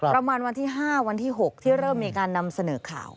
ประมาณวันที่๕วันที่๖ที่เริ่มมีการนำเสนอข่าว